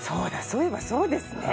そういえばそうですね。